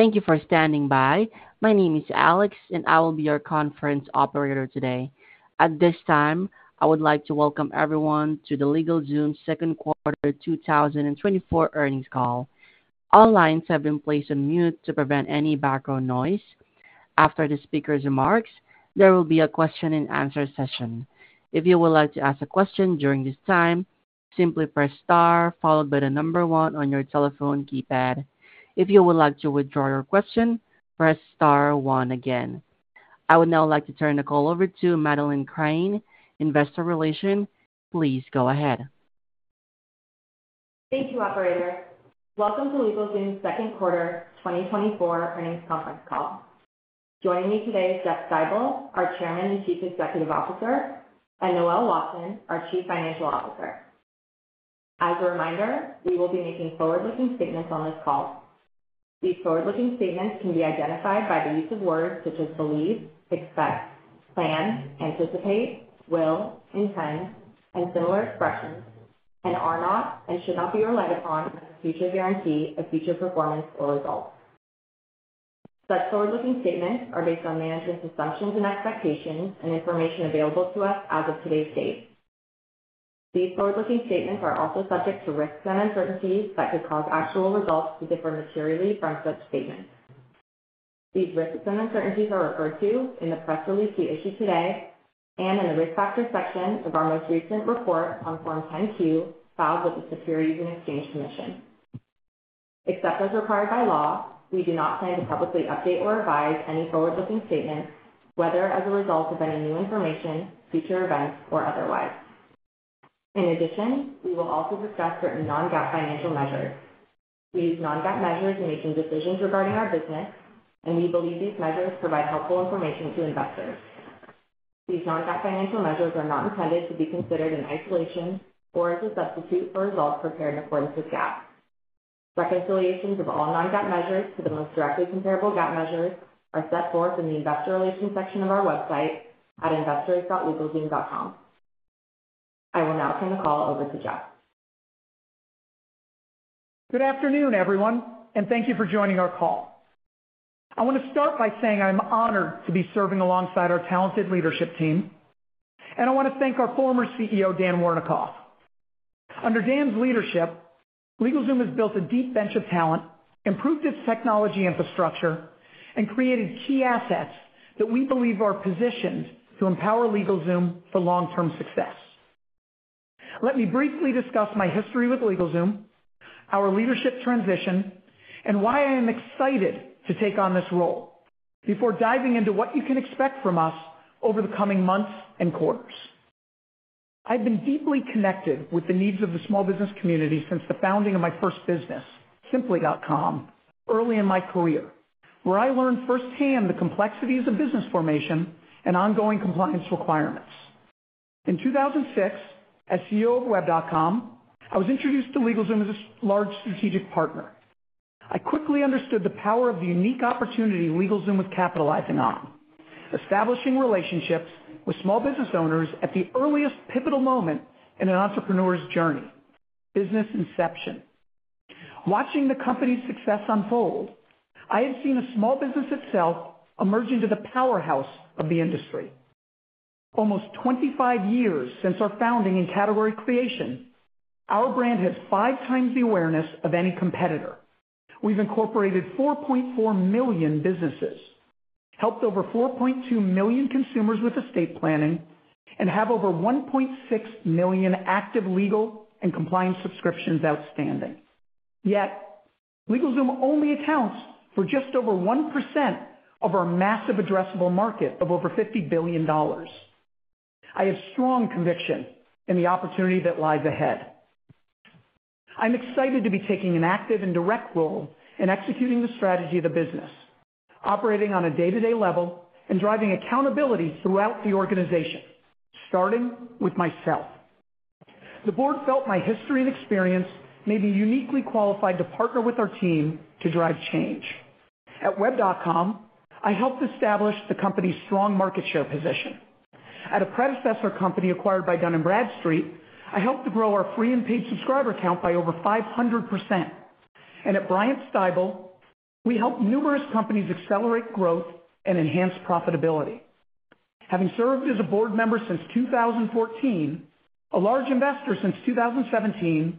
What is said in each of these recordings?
Thank you for standing by. My name is Alex, and I will be your conference operator today. At this time, I would like to welcome everyone to the LegalZoom Second Quarter 2024 earnings call. All lines have been placed on mute to prevent any background noise. After the speaker's remarks, there will be a question-and-answer session. If you would like to ask a question during this time, simply press star followed by the number one on your telephone keypad. If you would like to withdraw your question, press star one again. I would now like to turn the call over to Madeleine Crane, Investor Relations. Please go ahead. Thank you, operator. Welcome to LegalZoom's Second Quarter 2024 Earnings Conference Call. Joining me today is Jeff Stibel, our Chairman and Chief Executive Officer, and Noel Watson, our Chief Financial Officer. As a reminder, we will be making forward-looking statements on this call. These forward-looking statements can be identified by the use of words such as believe, expect, plan, anticipate, will, intend, and similar expressions, and are not and should not be relied upon as a future guarantee of future performance or results. Such forward-looking statements are based on management's assumptions and expectations and information available to us as of today's date. These forward-looking statements are also subject to risks and uncertainties that could cause actual results to differ materially from such statements. These risks and uncertainties are referred to in the press release we issued today and in the Risk Factors section of our most recent report on Form 10-Q, filed with the Securities and Exchange Commission. Except as required by law, we do not plan to publicly update or revise any forward-looking statements, whether as a result of any new information, future events, or otherwise. In addition, we will also discuss certain non-GAAP financial measures. We use non-GAAP measures in making decisions regarding our business, and we believe these measures provide helpful information to investors. These non-GAAP financial measures are not intended to be considered in isolation or as a substitute for results prepared in accordance with GAAP. Reconciliations of all non-GAAP measures to the most directly comparable GAAP measures are set forth in the Investor Relations section of our website at investors.legalzoom.com. I will now turn the call over to Jeff. Good afternoon, everyone, and thank you for joining our call. I want to start by saying I'm honored to be serving alongside our talented leadership team, and I want to thank our former CEO, Dan Wernikoff. Under Dan's leadership, LegalZoom has built a deep bench of talent, improved its technology infrastructure, and created key assets that we believe are positioned to empower LegalZoom for long-term success. Let me briefly discuss my history with LegalZoom, our leadership transition, and why I am excited to take on this role before diving into what you can expect from us over the coming months and quarters. I've been deeply connected with the needs of the small business community since the founding of my first business, Simpli, early in my career, where I learned firsthand the complexities of business formation and ongoing compliance requirements. In 2006, as CEO of Web.com, I was introduced to LegalZoom as a large strategic partner. I quickly understood the power of the unique opportunity LegalZoom was capitalizing on, establishing relationships with small business owners at the earliest pivotal moment in an entrepreneur's journey: business inception. Watching the company's success unfold, I have seen a small business itself emerge into the powerhouse of the industry. Almost 25 years since our founding and category creation, our brand has five times the awareness of any competitor. We've incorporated 4.4 million businesses, helped over 4.2 million consumers with estate planning, and have over 1.6 million active legal and compliance subscriptions outstanding. Yet, LegalZoom only accounts for just over 1% of our massive addressable market of over $50 billion. I have strong conviction in the opportunity that lies ahead. I'm excited to be taking an active and direct role in executing the strategy of the business, operating on a day-to-day level and driving accountability throughout the organization, starting with myself. The board felt my history and experience made me uniquely qualified to partner with our team to drive change. At Web.com, I helped establish the company's strong market share position. At a predecessor company acquired by Dun & Bradstreet, I helped to grow our free and paid subscriber count by over 500%. At Bryant Stibel, we helped numerous companies accelerate growth and enhance profitability. Having served as a board member since 2014, a large investor since 2017,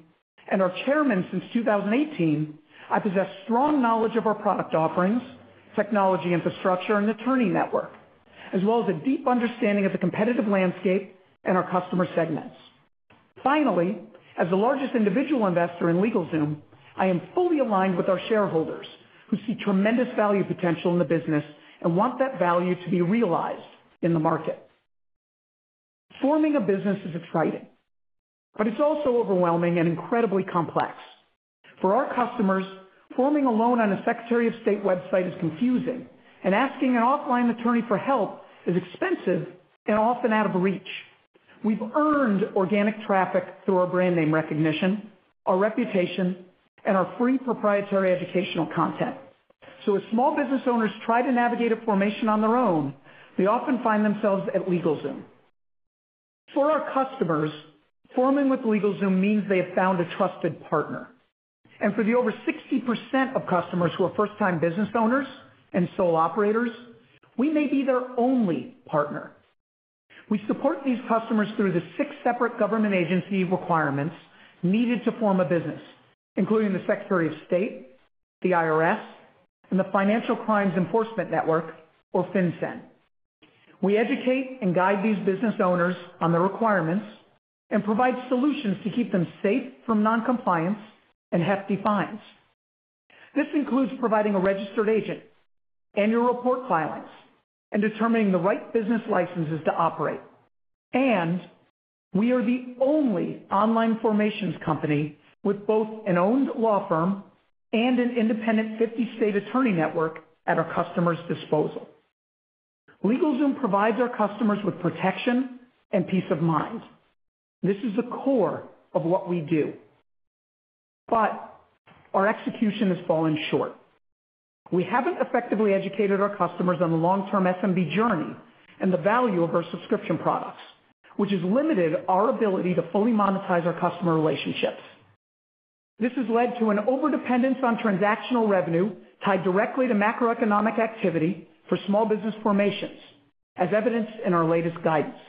and our chairman since 2018, I possess strong knowledge of our product offerings, technology, infrastructure, and attorney network, as well as a deep understanding of the competitive landscape and our customer segments. Finally, as the largest individual investor in LegalZoom, I am fully aligned with our shareholders, who see tremendous value potential in the business and want that value to be realized in the market. Forming a business is exciting, but it's also overwhelming and incredibly complex. For our customers, forming alone on a Secretary of State website is confusing, and asking an offline attorney for help is expensive and often out of reach. We've earned organic traffic through our brand name recognition, our reputation, and our free proprietary educational content. As small business owners try to navigate a formation on their own, they often find themselves at LegalZoom. For our customers, forming with LegalZoom means they have found a trusted partner, and for the over 60% of customers who are first-time business owners and sole operators, we may be their only partner. We support these customers through the six separate government agency requirements needed to form a business, including the Secretary of State, the IRS, and the Financial Crimes Enforcement Network, or FinCEN. We educate and guide these business owners on the requirements and provide solutions to keep them safe from non-compliance and hefty fines. This includes providing a registered agent, annual report filings, and determining the right business licenses to operate. We are the only online formations company with both an owned law firm and an independent 50-state attorney network at our customers' disposal. LegalZoom provides our customers with protection and peace of mind. This is the core of what we do, but our execution has fallen short. We haven't effectively educated our customers on the long-term SMB journey and the value of our subscription products, which has limited our ability to fully monetize our customer relationships. This has led to an overdependence on transactional revenue tied directly to macroeconomic activity for small business formations, as evidenced in our latest guidance.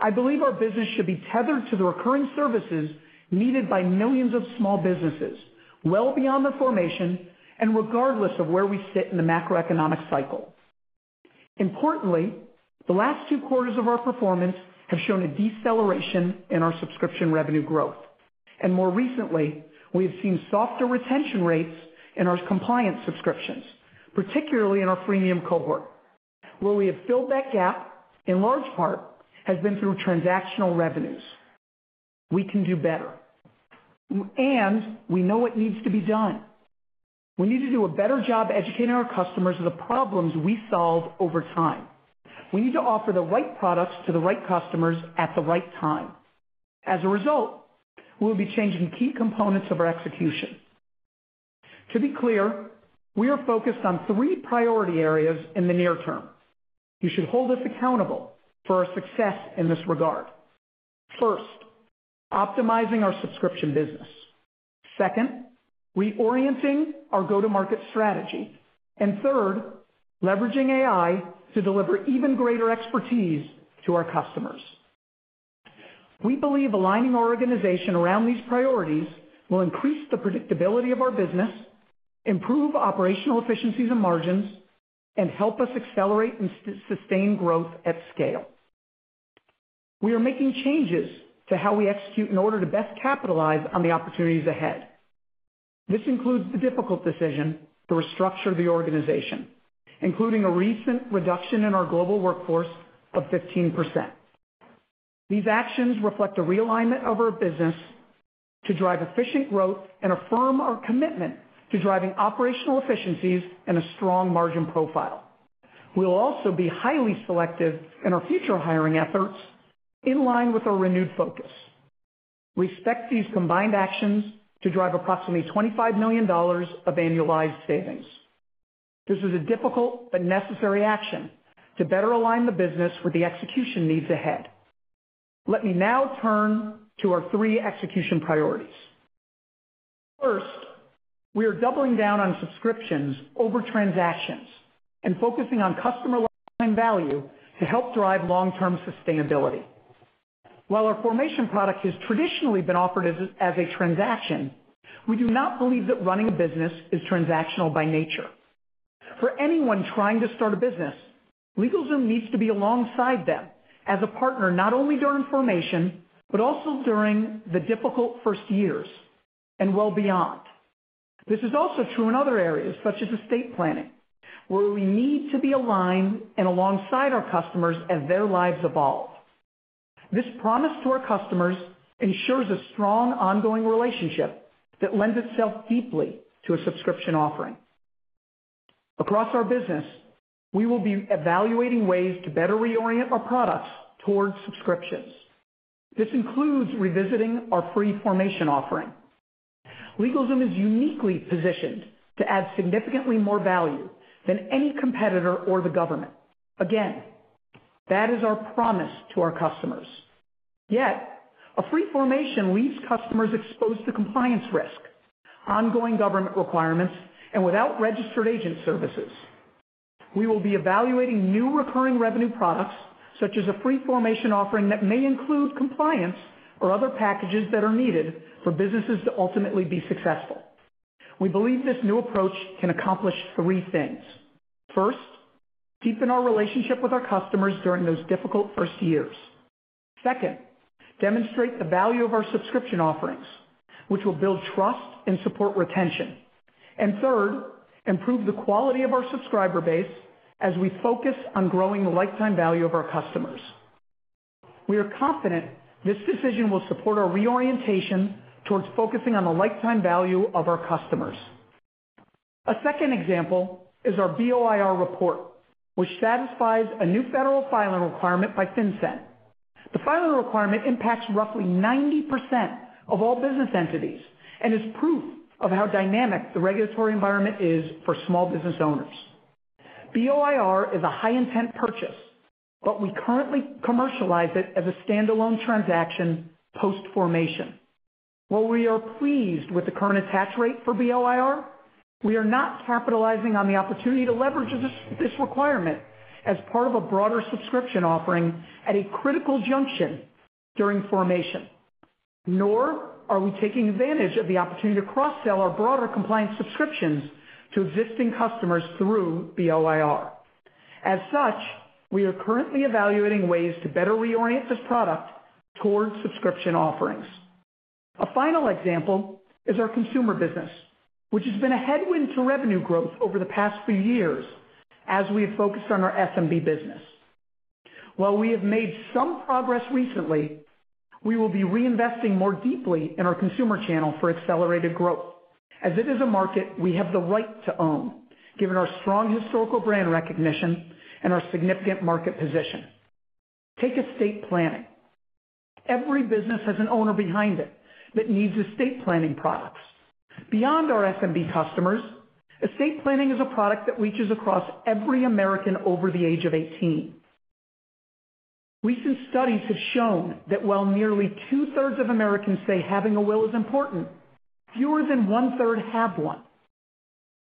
I believe our business should be tethered to the recurring services needed by millions of small businesses, well beyond the formation, and regardless of where we sit in the macroeconomic cycle. Importantly, the last two quarters of our performance have shown a deceleration in our subscription revenue growth, and more recently, we have seen softer retention rates in our compliance subscriptions, particularly in our freemium cohort, where we have filled that gap, in large part, has been through transactional revenues. We can do better, and we know what needs to be done. We need to do a better job educating our customers of the problems we solve over time. We need to offer the right products to the right customers at the right time. As a result, we'll be changing key components of our execution. To be clear, we are focused on three priority areas in the near term. You should hold us accountable for our success in this regard. First, optimizing our subscription business. Second, reorienting our go-to-market strategy. And third, leveraging AI to deliver even greater expertise to our customers. We believe aligning our organization around these priorities will increase the predictability of our business, improve operational efficiencies and margins, and help us accelerate and sustain growth at scale. We are making changes to how we execute in order to best capitalize on the opportunities ahead. This includes the difficult decision to restructure the organization, including a recent reduction in our global workforce of 15%. These actions reflect a realignment of our business to drive efficient growth and affirm our commitment to driving operational efficiencies and a strong margin profile. We will also be highly selective in our future hiring efforts in line with our renewed focus. We expect these combined actions to drive approximately $25 million of annualized savings. This is a difficult but necessary action to better align the business with the execution needs ahead. Let me now turn to our three execution priorities. First, we are doubling down on subscriptions over transactions and focusing on customer lifetime value to help drive long-term sustainability. While our formation product has traditionally been offered as, as a transaction, we do not believe that running a business is transactional by nature. For anyone trying to start a business, LegalZoom needs to be alongside them as a partner, not only during formation, but also during the difficult first years and well beyond. This is also true in other areas, such as estate planning, where we need to be aligned and alongside our customers as their lives evolve. This promise to our customers ensures a strong, ongoing relationship that lends itself deeply to a subscription offering. Across our business, we will be evaluating ways to better reorient our products towards subscriptions. This includes revisiting our free formation offering. LegalZoom is uniquely positioned to add significantly more value than any competitor or the government. Again, that is our promise to our customers. Yet, a free formation leaves customers exposed to compliance risk, ongoing government requirements, and without registered agent services. We will be evaluating new recurring revenue products, such as a free formation offering that may include compliance or other packages that are needed for businesses to ultimately be successful. We believe this new approach can accomplish three things. First, deepen our relationship with our customers during those difficult first years. Second, demonstrate the value of our subscription offerings, which will build trust and support retention, and third, improve the quality of our subscriber base as we focus on growing the lifetime value of our customers. We are confident this decision will support our reorientation towards focusing on the lifetime value of our customers. A second example is our BOIR report, which satisfies a new federal filing requirement by FinCEN. The filing requirement impacts roughly 90% of all business entities and is proof of how dynamic the regulatory environment is for small business owners. BOIR is a high-intent purchase, but we currently commercialize it as a standalone transaction post-formation. While we are pleased with the current attach rate for BOIR, we are not capitalizing on the opportunity to leverage this requirement as part of a broader subscription offering at a critical junction during formation, nor are we taking advantage of the opportunity to cross-sell our broader compliance subscriptions to existing customers through BOIR. As such, we are currently evaluating ways to better reorient this product towards subscription offerings. A final example is our consumer business, which has been a headwind to revenue growth over the past few years as we have focused on our SMB business. While we have made some progress recently, we will be reinvesting more deeply in our consumer channel for accelerated growth, as it is a market we have the right to own, given our strong historical brand recognition and our significant market position. Take estate planning. Every business has an owner behind it that needs estate planning products. Beyond our SMB customers, estate planning is a product that reaches across every American over the age of eighteen. Recent studies have shown that while nearly two-thirds of Americans say having a will is important, fewer than one-third have one,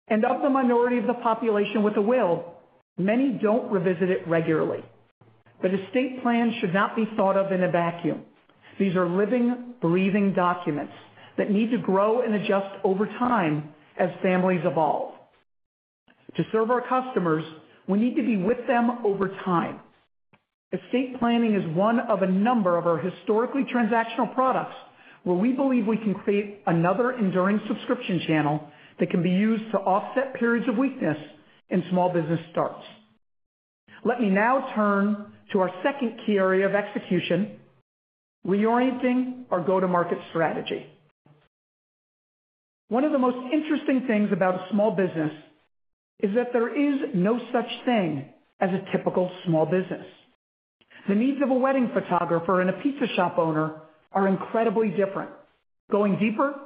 and of the minority of the population with a will, many don't revisit it regularly. But estate planning should not be thought of in a vacuum. These are living, breathing documents that need to grow and adjust over time as families evolve. To serve our customers, we need to be with them over time. Estate planning is one of a number of our historically transactional products, where we believe we can create another enduring subscription channel that can be used to offset periods of weakness in small business starts. Let me now turn to our second key area of execution: reorienting our go-to-market strategy. One of the most interesting things about a small business is that there is no such thing as a typical small business. The needs of a wedding photographer and a pizza shop owner are incredibly different. Going deeper,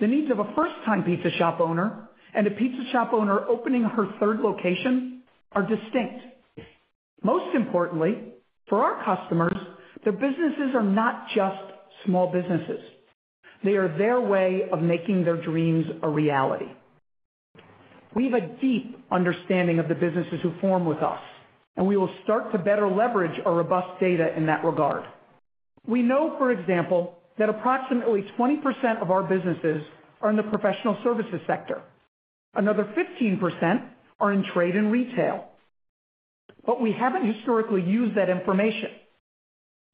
the needs of a first-time pizza shop owner and a pizza shop owner opening her third location are distinct. Most importantly, for our customers, their businesses are not just small businesses. They are their way of making their dreams a reality. We have a deep understanding of the businesses who form with us, and we will start to better leverage our robust data in that regard. We know, for example, that approximately 20% of our businesses are in the professional services sector. Another 15% are in trade and retail. But we haven't historically used that information,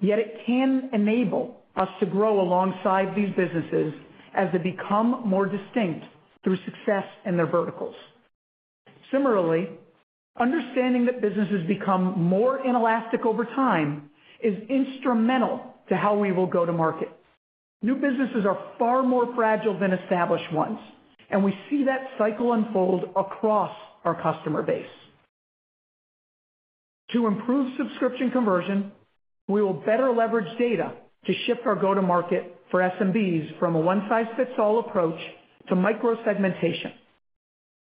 yet it can enable us to grow alongside these businesses as they become more distinct through success in their verticals. Similarly, understanding that businesses become more inelastic over time is instrumental to how we will go to market. New businesses are far more fragile than established ones, and we see that cycle unfold across our customer base. To improve subscription conversion, we will better leverage data to shift our go-to-market for SMBs from a one-size-fits-all approach to micro segmentation.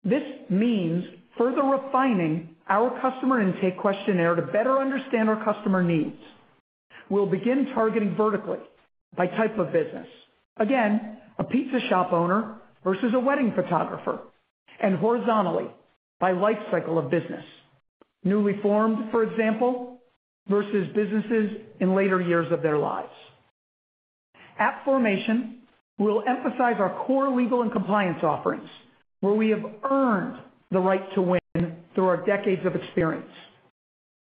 This means further refining our customer intake questionnaire to better understand our customer needs. We'll begin targeting vertically by type of business. Again, a pizza shop owner versus a wedding photographer, and horizontally by life cycle of business. Newly formed, for example, versus businesses in later years of their lives. At formation, we'll emphasize our core legal and compliance offerings, where we have earned the right to win through our decades of experience,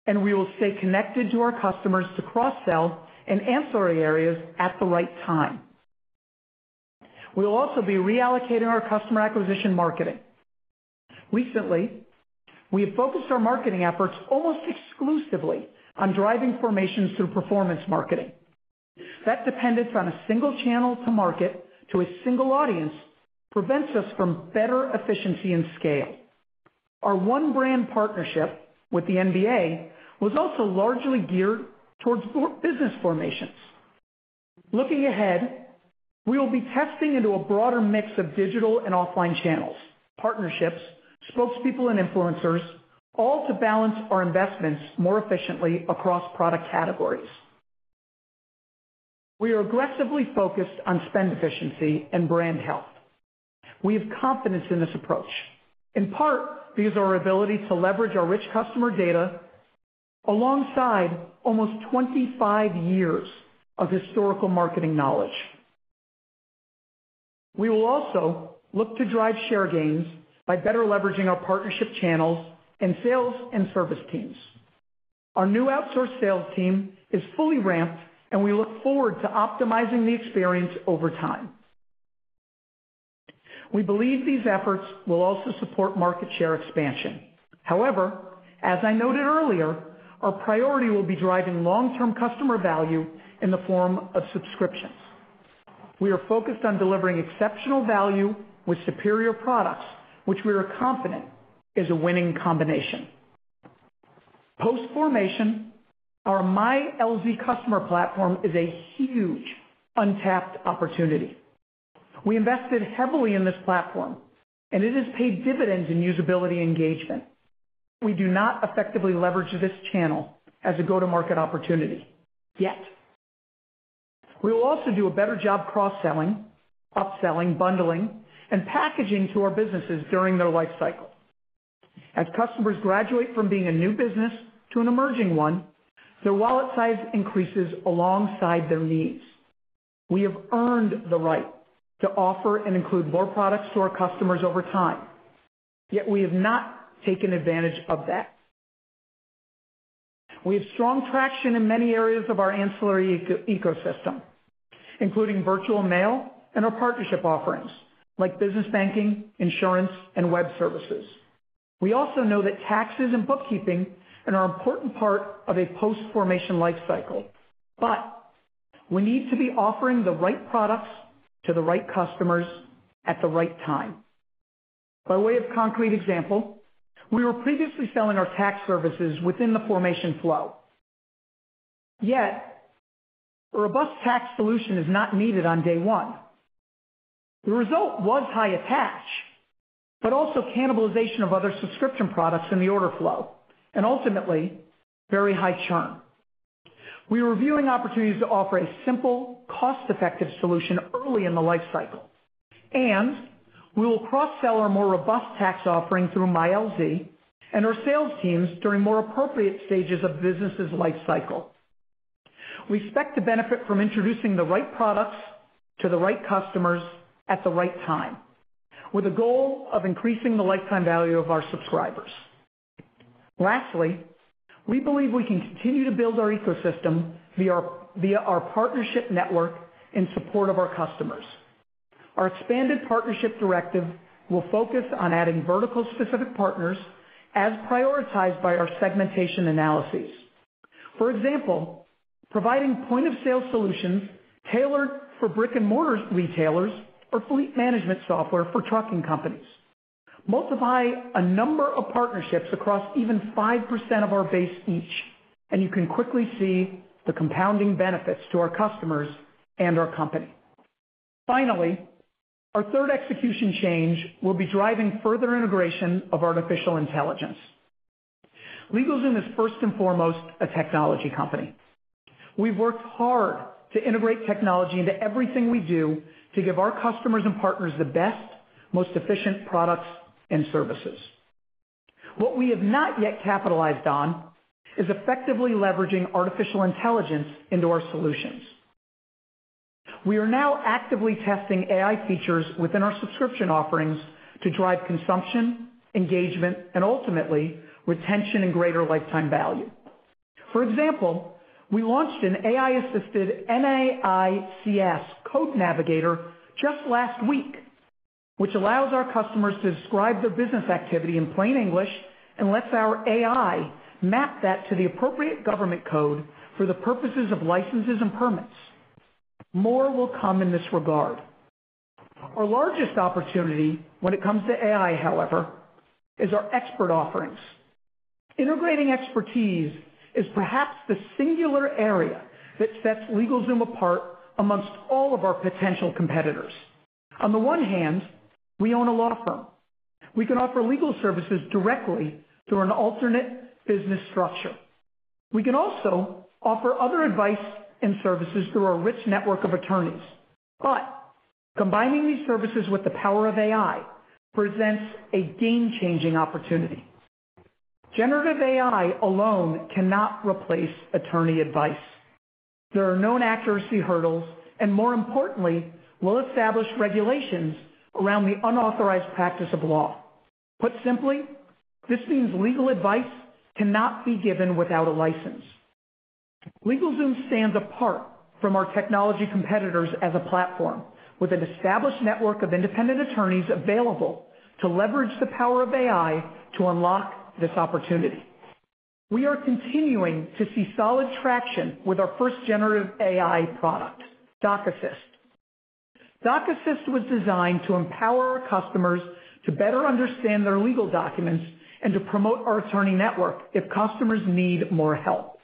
and we will stay connected to our customers to cross-sell in ancillary areas at the right time. We will also be reallocating our customer acquisition marketing. Recently, we have focused our marketing efforts almost exclusively on driving formations through performance marketing. That dependence on a single channel to market to a single audience prevents us from better efficiency and scale. Our one brand partnership with the NBA was also largely geared towards business formations. Looking ahead, we will be testing into a broader mix of digital and offline channels, partnerships, spokespeople, and influencers, all to balance our investments more efficiently across product categories. We are aggressively focused on spend efficiency and brand health. We have confidence in this approach, in part because of our ability to leverage our rich customer data alongside almost 25 years of historical marketing knowledge. We will also look to drive share gains by better leveraging our partnership channels and sales and service teams. Our new outsourced sales team is fully ramped, and we look forward to optimizing the experience over time. We believe these efforts will also support market share expansion. However, as I noted earlier, our priority will be driving long-term customer value in the form of subscriptions. We are focused on delivering exceptional value with superior products, which we are confident is a winning combination. Post-formation, our MyLZ customer platform is a huge untapped opportunity. We invested heavily in this platform, and it has paid dividends in usability engagement. We do not effectively leverage this channel as a go-to-market opportunity, yet. We will also do a better job cross-selling, upselling, bundling, and packaging to our businesses during their life cycle. As customers graduate from being a new business to an emerging one, their wallet size increases alongside their needs. We have earned the right to offer and include more products to our customers over time, yet we have not taken advantage of that. We have strong traction in many areas of our ancillary eco-ecosystem, including virtual mail and our partnership offerings, like business banking, insurance, and web services. We also know that taxes and bookkeeping are an important part of a post-formation life cycle, but we need to be offering the right products to the right customers at the right time. By way of concrete example, we were previously selling our tax services within the formation flow, yet a robust tax solution is not needed on day one. The result was high attach, but also cannibalization of other subscription products in the order flow, and ultimately, very high churn. We are reviewing opportunities to offer a simple, cost-effective solution early in the life cycle, and we will cross-sell our more robust tax offering through MyLZ and our sales teams during more appropriate stages of business's life cycle. We expect to benefit from introducing the right products to the right customers at the right time, with a goal of increasing the lifetime value of our subscribers. Lastly, we believe we can continue to build our ecosystem via our partnership network in support of our customers. Our expanded partnership directive will focus on adding vertical-specific partners as prioritized by our segmentation analyses. For example, providing point-of-sale solutions tailored for brick-and-mortar retailers or fleet management software for trucking companies. Multiply a number of partnerships across even 5% of our base each, and you can quickly see the compounding benefits to our customers and our company. Finally, our third execution change will be driving further integration of artificial intelligence. LegalZoom is first and foremost a technology company. We've worked hard to integrate technology into everything we do to give our customers and partners the best, most efficient products and services. What we have not yet capitalized on is effectively leveraging artificial intelligence into our solutions. We are now actively testing AI features within our subscription offerings to drive consumption, engagement, and ultimately, retention and greater lifetime value. For example, we launched an AI-assisted NAICS Code Navigator just last week, which allows our customers to describe their business activity in plain English and lets our AI map that to the appropriate government code for the purposes of licenses and permits. More will come in this regard. Our largest opportunity when it comes to AI, however, is our expert offerings. Integrating expertise is perhaps the singular area that sets LegalZoom apart amongst all of our potential competitors. On the one hand, we own a law firm. We can offer legal services directly through an alternate business structure. We can also offer other advice and services through our rich network of attorneys. But combining these services with the power of AI presents a game-changing opportunity. Generative AI alone cannot replace attorney advice. There are known accuracy hurdles, and more importantly, we'll establish regulations around the unauthorized practice of law. Put simply, this means legal advice cannot be given without a license. LegalZoom stands apart from our technology competitors as a platform, with an established network of independent attorneys available to leverage the power of AI to unlock this opportunity. We are continuing to see solid traction with our first generative AI product, DocAssist. DocAssist was designed to empower our customers to better understand their legal documents and to promote our attorney network if customers need more help.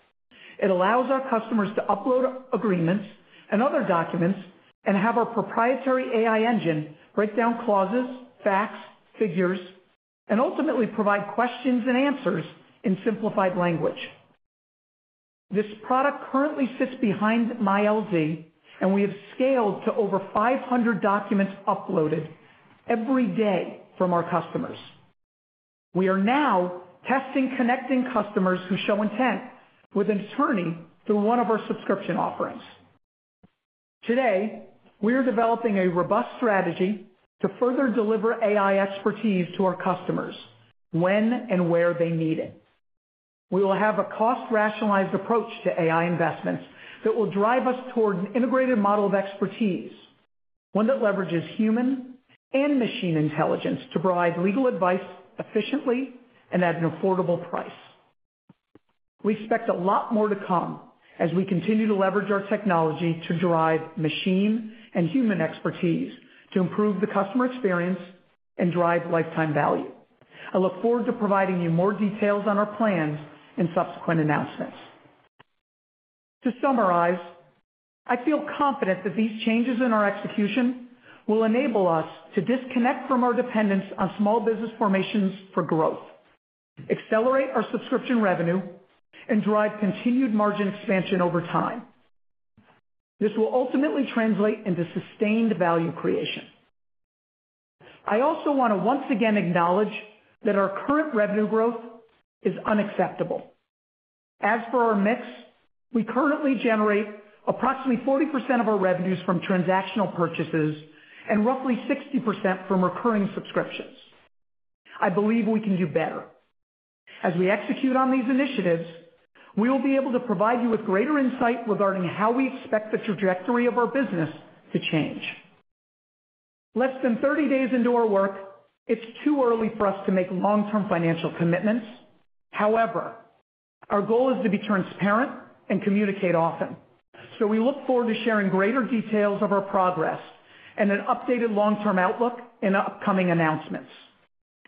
It allows our customers to upload agreements and other documents and have our proprietary AI engine break down clauses, facts, figures, and ultimately provide questions and answers in simplified language. This product currently sits behind MyLZ, and we have scaled to over 500 documents uploaded every day from our customers. We are now testing connecting customers who show intent with an attorney through one of our subscription offerings. Today, we are developing a robust strategy to further deliver AI expertise to our customers when and where they need it. We will have a cost-rationalized approach to AI investments that will drive us toward an integrated model of expertise, one that leverages human and machine intelligence to provide legal advice efficiently and at an affordable price. We expect a lot more to come as we continue to leverage our technology to drive machine and human expertise to improve the customer experience and drive lifetime value. I look forward to providing you more details on our plans in subsequent announcements. To summarize, I feel confident that these changes in our execution will enable us to disconnect from our dependence on small business formations for growth, accelerate our subscription revenue, and drive continued margin expansion over time. This will ultimately translate into sustained value creation. I also want to once again acknowledge that our current revenue growth is unacceptable. As for our mix, we currently generate approximately 40% of our revenues from transactional purchases and roughly 60% from recurring subscriptions. I believe we can do better. As we execute on these initiatives, we will be able to provide you with greater insight regarding how we expect the trajectory of our business to change. Less than 30 days into our work, it's too early for us to make long-term financial commitments. However, our goal is to be transparent and communicate often, so we look forward to sharing greater details of our progress and an updated long-term outlook in upcoming announcements.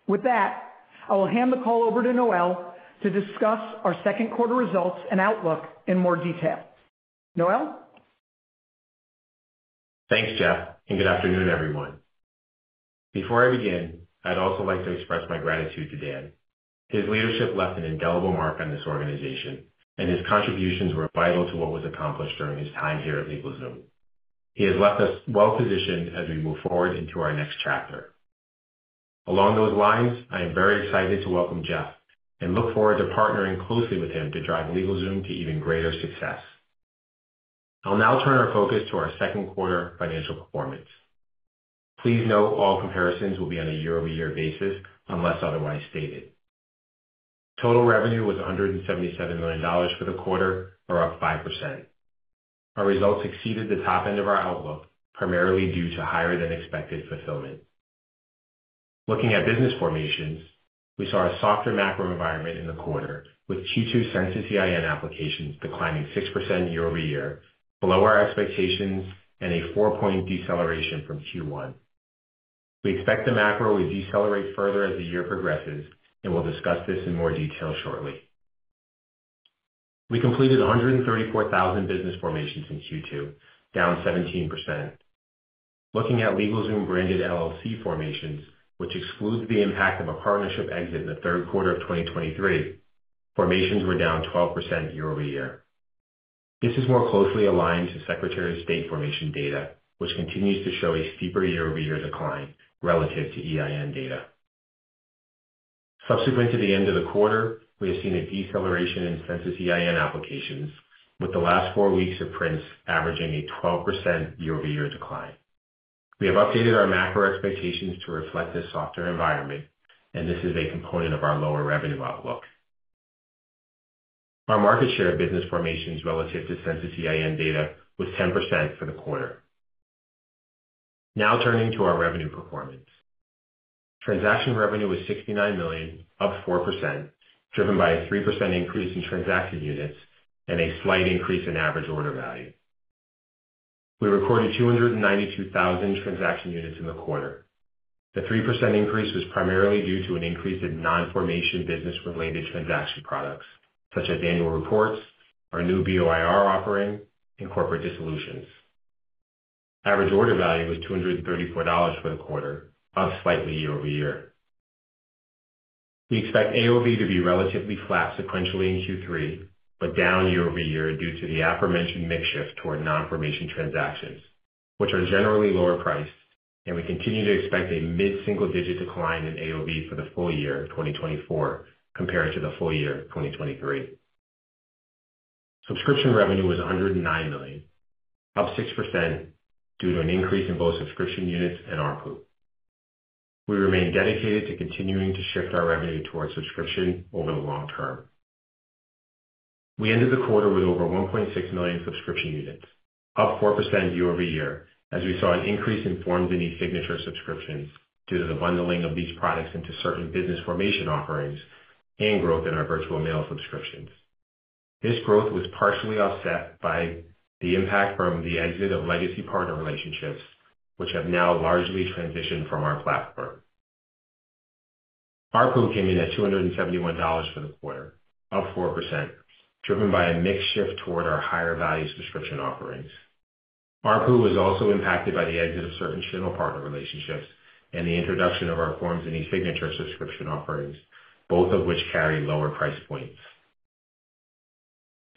With that, I will hand the call over to Noel to discuss our second quarter results and outlook in more detail. Noel? Thanks, Jeff, and good afternoon, everyone. Before I begin, I'd also like to express my gratitude to Dan. His leadership left an indelible mark on this organization, and his contributions were vital to what was accomplished during his time here at LegalZoom. He has left us well-positioned as we move forward into our next chapter. Along those lines, I am very excited to welcome Jeff and look forward to partnering closely with him to drive LegalZoom to even greater success. I'll now turn our focus to our second quarter financial performance. Please note, all comparisons will be on a year-over-year basis unless otherwise stated. Total revenue was $177 million for the quarter, or up 5%. Our results exceeded the top end of our outlook, primarily due to higher-than-expected fulfillment. Looking at business formations, we saw a softer macro environment in the quarter, with Q2 Census EIN applications declining 6% year-over-year, below our expectations, and a four-point deceleration from Q1. We expect the macro will decelerate further as the year progresses, and we'll discuss this in more detail shortly. We completed 134,000 business formations in Q2, down 17%. Looking at LegalZoom-branded LLC formations, which excludes the impact of a partnership exit in the third quarter of 2023, formations were down 12% year-over-year. This is more closely aligned to Secretary of State formation data, which continues to show a steeper year-over-year decline relative to EIN data. Subsequent to the end of the quarter, we have seen a deceleration in Census EIN applications, with the last four weeks of prints averaging a 12% year-over-year decline. We have updated our macro expectations to reflect this softer environment, and this is a component of our lower revenue outlook. Our market share of business formations relative to Census EIN data was 10% for the quarter. Now turning to our revenue performance. Transaction revenue was $69 million, up 4%, driven by a 3% increase in transaction units and a slight increase in average order value. We recorded 292,000 transaction units in the quarter. The 3% increase was primarily due to an increase in non-formation business-related transaction products, such as annual reports, our new BOIR offering, and corporate dissolutions. Average order value was $234 for the quarter, up slightly year-over-year. We expect AOV to be relatively flat sequentially in Q3, but down year over year due to the aforementioned mix shift toward non-formation transactions, which are generally lower priced, and we continue to expect a mid-single-digit decline in AOV for the full year of 2024 compared to the full year of 2023. Subscription revenue was $109 million, up 6%, due to an increase in both subscription units and ARPU. We remain dedicated to continuing to shift our revenue towards subscription over the long term. We ended the quarter with over 1.6 million subscription units, up 4% year-over-year, as we saw an increase in Forms and eSignature subscriptions due to the bundling of these products into certain business formation offerings and growth in our Virtual Mail subscriptions. This growth was partially offset by the impact from the exit of legacy partner relationships, which have now largely transitioned from our platform. ARPU came in at $271 for the quarter, up 4%, driven by a mix shift toward our higher value subscription offerings. ARPU was also impacted by the exit of certain channel partner relationships and the introduction of our Forms and eSignature subscription offerings, both of which carry lower price points.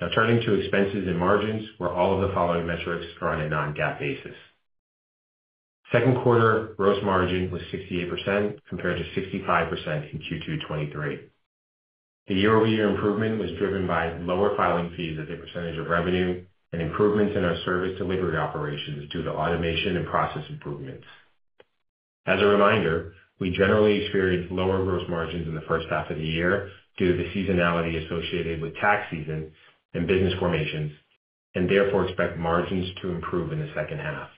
Now turning to expenses and margins, where all of the following metrics are on a non-GAAP basis. Second quarter gross margin was 68%, compared to 65% in Q2 2023. The year-over-year improvement was driven by lower filing fees as a percentage of revenue and improvements in our service delivery operations due to automation and process improvements. As a reminder, we generally experience lower gross margins in the first half of the year due to the seasonality associated with tax season and business formations, and therefore, expect margins to improve in the second half.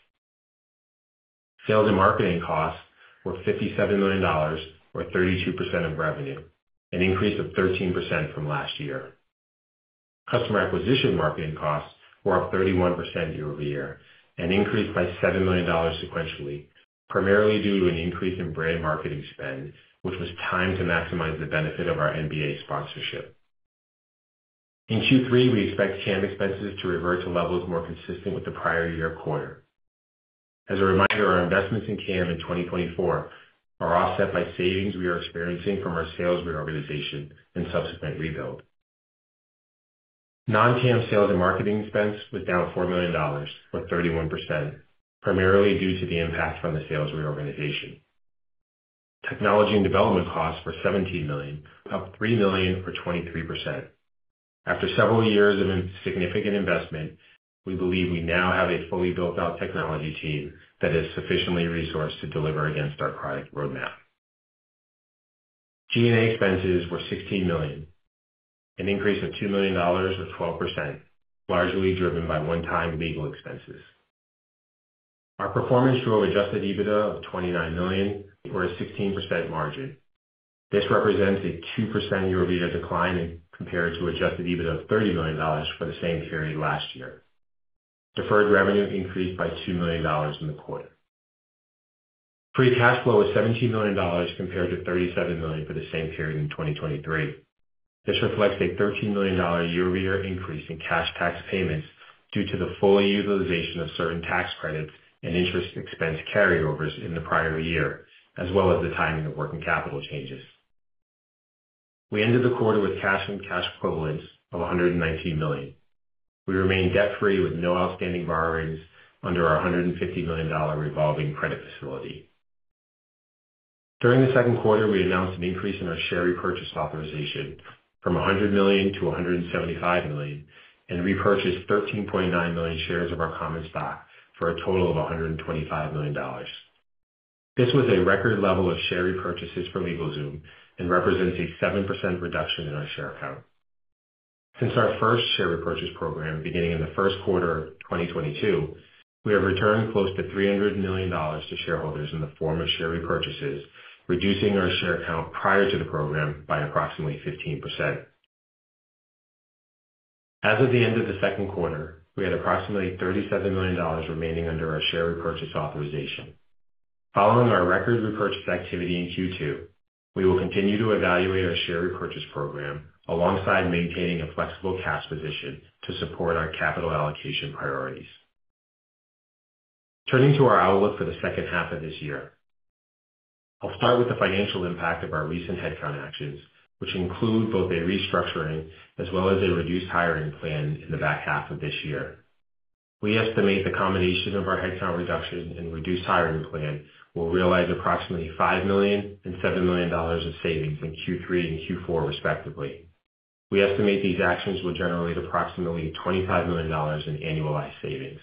Sales and marketing costs were $57 million, or 32% of revenue, an increase of 13% from last year. Customer acquisition marketing costs were up 31% year-over-year, and increased by $7 million sequentially, primarily due to an increase in brand marketing spend, which was timed to maximize the benefit of our NBA sponsorship. In Q3, we expect CAM expenses to revert to levels more consistent with the prior year quarter. As a reminder, our investments in CAM in 2024 are offset by savings we are experiencing from our sales reorganization and subsequent rebuild. Non-CAM sales and marketing expense was down $4 million, or 31%, primarily due to the impact from the sales reorganization. Technology and development costs were $17 million, up $3 million, or 23%. After several years of insignificant investment, we believe we now have a fully built-out technology team that is sufficiently resourced to deliver against our product roadmap. G&A expenses were $16 million, an increase of $2 million, or 12%, largely driven by one-time legal expenses. Our performance drove adjusted EBITDA of $29 million, or a 16% margin. This represents a 2% year-over-year decline compared to adjusted EBITDA of $30 million for the same period last year. Deferred revenue increased by $2 million in the quarter. Free cash flow was $17 million compared to $37 million for the same period in 2023. This reflects a $13 million year-over-year increase in cash tax payments due to the full utilization of certain tax credits and interest expense carryovers in the prior year, as well as the timing of working capital changes. We ended the quarter with cash and cash equivalents of $119 million. We remain debt-free with no outstanding borrowings under our $150 million revolving credit facility. During the second quarter, we announced an increase in our share repurchase authorization from $100 million-$175 million, and repurchased 13.9 million shares of our common stock for a total of $125 million. This was a record level of share repurchases from LegalZoom and represents a 7% reduction in our share count. Since our first share repurchase program, beginning in the first quarter of 2022, we have returned close to $300 million to shareholders in the form of share repurchases, reducing our share count prior to the program by approximately 15%. As of the end of the second quarter, we had approximately $37 million remaining under our share repurchase authorization. Following our record repurchase activity in Q2, we will continue to evaluate our share repurchase program alongside maintaining a flexible cash position to support our capital allocation priorities. Turning to our outlook for the second half of this year. I'll start with the financial impact of our recent headcount actions, which include both a restructuring as well as a reduced hiring plan in the back half of this year. We estimate the combination of our headcount reduction and reduced hiring plan will realize approximately $5 million and $7 million of savings in Q3 and Q4, respectively. We estimate these actions will generate approximately $25 million in annualized savings.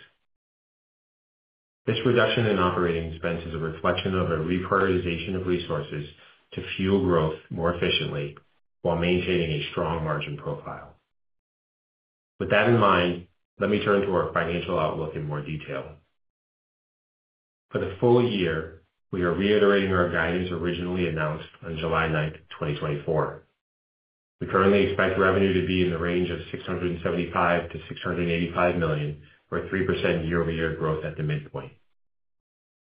This reduction in operating expense is a reflection of a reprioritization of resources to fuel growth more efficiently while maintaining a strong margin profile. With that in mind, let me turn to our financial outlook in more detail. For the full year, we are reiterating our guidance originally announced on July 9, 2024. We currently expect revenue to be in the range of $675 million-$685 million, or 3% year-over-year growth at the midpoint.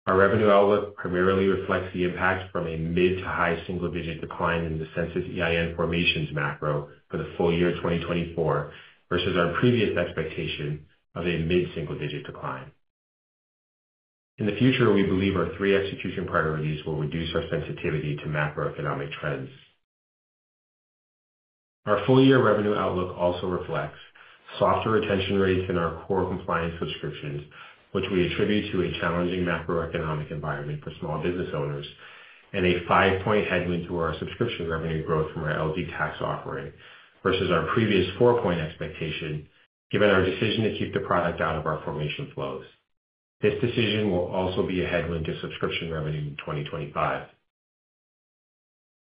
Our revenue outlook primarily reflects the impact from a mid- to high-single-digit decline in the Census EIN formations macro for the full year 2024, versus our previous expectation of a mid-single-digit decline. In the future, we believe our three execution priorities will reduce our sensitivity to macroeconomic trends. Our full year revenue outlook also reflects softer retention rates in our core compliance subscriptions, which we attribute to a challenging macroeconomic environment for small business owners, and a five-point headwind to our subscription revenue growth from our LZ Tax offering versus our previous four-point expectation, given our decision to keep the product out of our formation flows. This decision will also be a headwind to subscription revenue in 2025.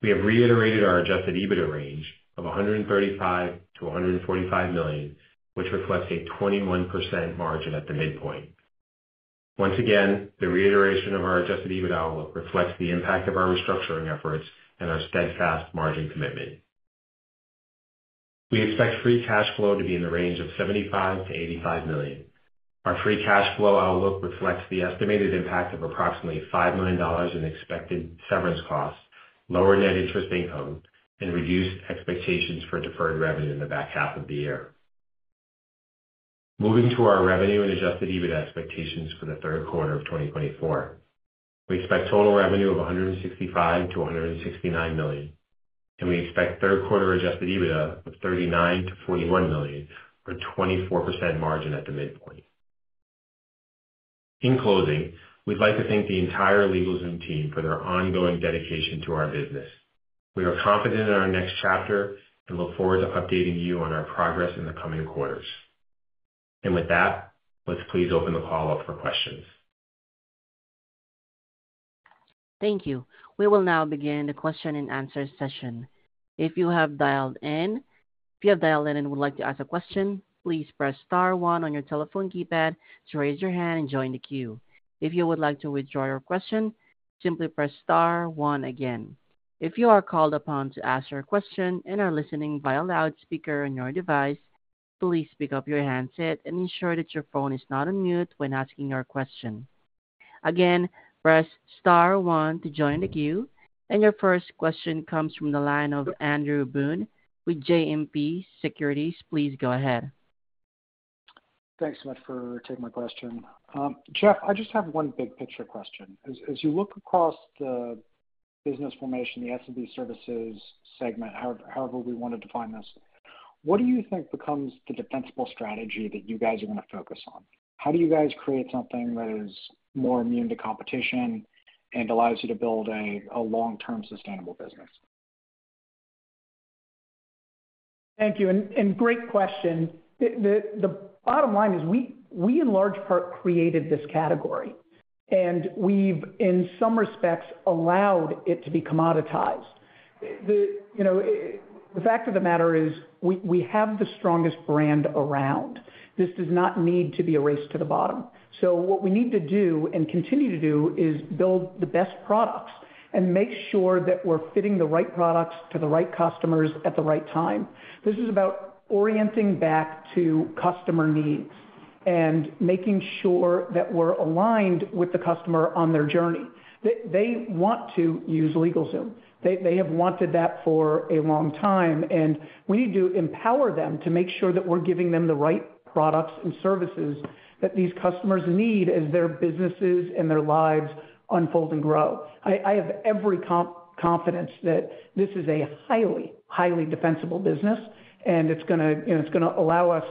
We have reiterated our Adjusted EBITDA range of $135 million-$145 million, which reflects a 21% margin at the midpoint. Once again, the reiteration of our Adjusted EBITDA outlook reflects the impact of our restructuring efforts and our steadfast margin commitment. We expect free cash flow to be in the range of $75 million-$85 million. Our free cash flow outlook reflects the estimated impact of approximately $5 million in expected severance costs, lower net interest income, and reduced expectations for deferred revenue in the back half of the year. Moving to our revenue and Adjusted EBITDA expectations for the third quarter of 2024. We expect total revenue of $165 million-$169 million, and we expect third quarter Adjusted EBITDA of $39 million-$41 million, or 24% margin at the midpoint. In closing, we'd like to thank the entire LegalZoom team for their ongoing dedication to our business. We are confident in our next chapter and look forward to updating you on our progress in the coming quarters. With that, let's please open the call up for questions. Thank you. We will now begin the question-and-answer session. If you have dialed in, if you have dialed in and would like to ask a question, please press star one on your telephone keypad to raise your hand and join the queue. If you would like to withdraw your question, simply press star one again. If you are called upon to ask your question and are listening via loudspeaker on your device, please pick up your handset and ensure that your phone is not on mute when asking your question. Again, press star one to join the queue. Your first question comes from the line of Andrew Boone with JMP Securities. Please go ahead. Thanks so much for taking my question. Jeff, I just have one big picture question. As you look across the business formation, the SMB services segment, however we want to define this, what do you think becomes the defensible strategy that you guys are going to focus on? How do you guys create something that is more immune to competition and allows you to build a long-term, sustainable business? Thank you, and great question. The bottom line is we in large part created this category, and we've, in some respects, allowed it to be commoditized. You know, the fact of the matter is, we have the strongest brand around. This does not need to be a race to the bottom. So what we need to do, and continue to do, is build the best products and make sure that we're fitting the right products to the right customers at the right time. This is about orienting back to customer needs and making sure that we're aligned with the customer on their journey. They want to use LegalZoom. They have wanted that for a long time, and we need to empower them to make sure that we're giving them the right products and services that these customers need as their businesses and their lives unfold and grow. I have every confidence that this is a highly, highly defensible business, and it's gonna, you know, it's gonna allow us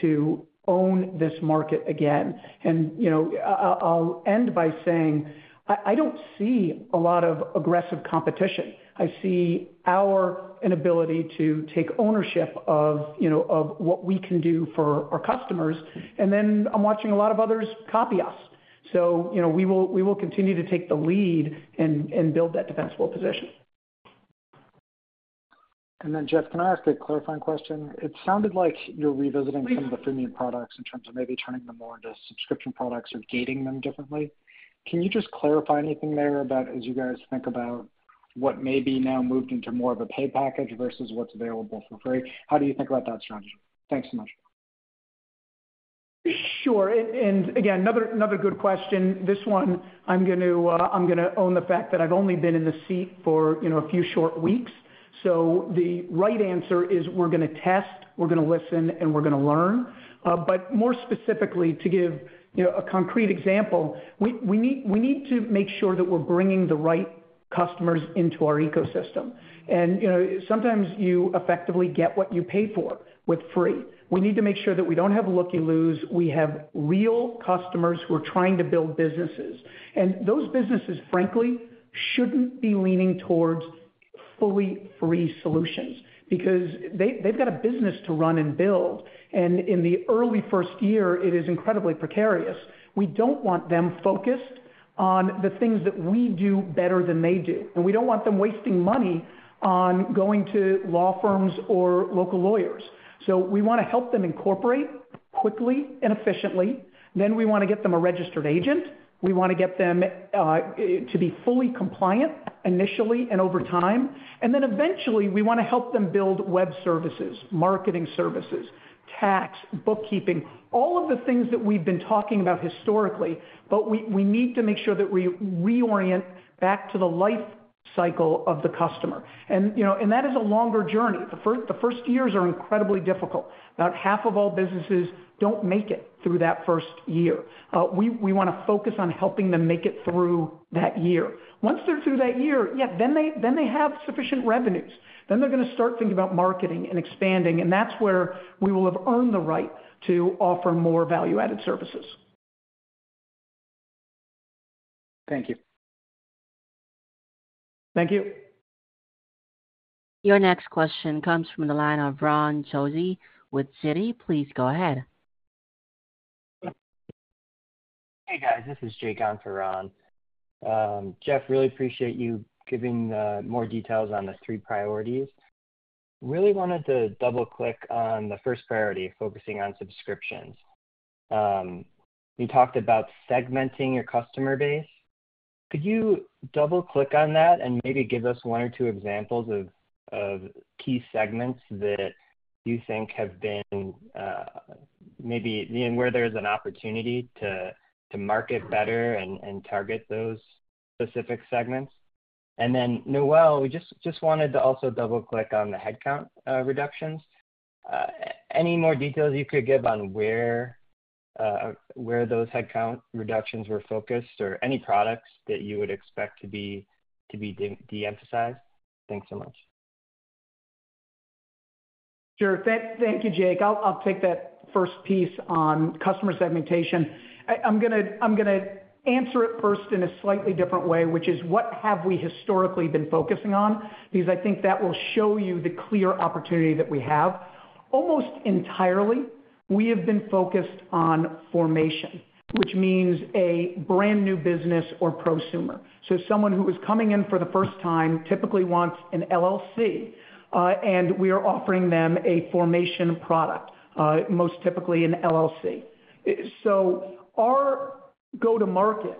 to own this market again. You know, I'll end by saying, I don't see a lot of aggressive competition. I see our inability to take ownership of, you know, of what we can do for our customers, and then I'm watching a lot of others copy us. So, you know, we will continue to take the lead and build that defensible position. And then, Jeff, can I ask a clarifying question? It sounded like you're revisiting some of the premium products in terms of maybe turning them more into subscription products or gating them differently. Can you just clarify anything there about as you guys think about what may be now moved into more of a paid package versus what's available for free? How do you think about that strategy? Thanks so much. Sure, and again, another good question. This one I'm going to, I'm gonna own the fact that I've only been in this seat for, you know, a few short weeks. So the right answer is we're gonna test, we're gonna listen, and we're gonna learn. But more specifically, to give, you know, a concrete example, we need to make sure that we're bringing the right customers into our ecosystem. And, you know, sometimes you effectively get what you pay for with free. We need to make sure that we don't have looky-loos, we have real customers who are trying to build businesses. And those businesses, frankly, shouldn't be leaning towards fully free solutions because they've got a business to run and build, and in the early first year, it is incredibly precarious. We don't want them focused on the things that we do better than they do, and we don't want them wasting money on going to law firms or local lawyers. So we want to help them incorporate quickly and efficiently, then we want to get them a registered agent. We want to get them to be fully compliant initially and over time. And then eventually, we want to help them build web services, marketing services, tax, bookkeeping, all of the things that we've been talking about historically, but we need to make sure that we reorient back to the life cycle of the customer. And, you know, and that is a longer journey. The first years are incredibly difficult. About half of all businesses don't make it through that first year. We want to focus on helping them make it through that year. Once they're through that year, yeah, then they, then they have sufficient revenues, then they're going to start thinking about marketing and expanding, and that's where we will have earned the right to offer more value-added services. Thank you. Thank you. Your next question comes from the line of Ron Josey with Citi. Please go ahead. Hey, guys. This is Jake on for Ron. Jeff, really appreciate you giving more details on the three priorities. Really wanted to double-click on the first priority, focusing on subscriptions. You talked about segmenting your customer base. Could you double-click on that and maybe give us one or two examples of key segments that you think have been, maybe, you know, where there's an opportunity to market better and target those specific segments? And then, Noel, we just wanted to also double-click on the headcount reductions. Any more details you could give on where those headcount reductions were focused or any products that you would expect to be de-emphasized? Thanks so much. Sure. Thank you, Jake. I'll take that first piece on customer segmentation. I'm gonna answer it first in a slightly different way, which is what have we historically been focusing on? Because I think that will show you the clear opportunity that we have. Almost entirely, we have been focused on formation, which means a brand-new business or prosumer. So someone who is coming in for the first time, typically wants an LLC, and we are offering them a formation product, most typically an LLC. So our go-to-market